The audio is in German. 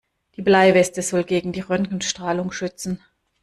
Die Bleiweste soll gegen die Röntgenstrahlung schützen.